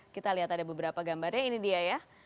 kita lihat ada beberapa gambarnya ini dia ya